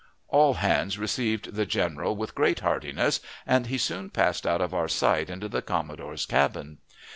All hands received the general with great heartiness, and he soon passed out of our sight into the commodore's cabin.